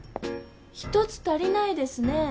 １つ足りないですねぇ